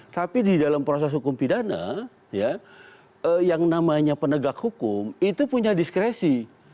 tapi di dalam proses hukum pidana yang namanya penegak hukum itu punya diskresi